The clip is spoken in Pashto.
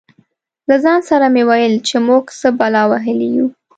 له ځان سره مې ویل چې موږ څه بلا وهلي یو.